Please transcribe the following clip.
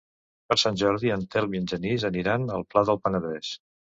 Per Sant Jordi en Telm i en Genís aniran al Pla del Penedès.